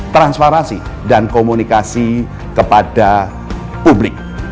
transparansi dan komunikasi kepada publik